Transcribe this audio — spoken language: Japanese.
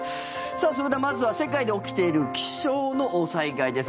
それではまずは世界で起きている気象の災害です。